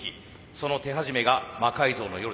その手始めが「魔改造の夜」でした。